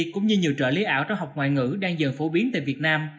chat gpt cũng như nhiều trợ lý ảo trong học ngoại ngữ đang dần phổ biến tại việt nam